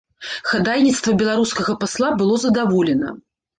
Хадайніцтва беларускага пасла было задаволена.